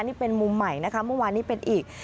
นี่เป็นมุมใหม่นะคะเมื่อวานนี้เป็นอีก